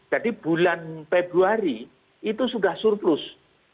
jadi bulan februari itu sudah surplus